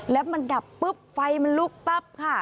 แล้วมันดับปุ๊บไฟมันลุกปั๊บค่ะ